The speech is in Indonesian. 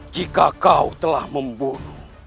jika kau telah membunuh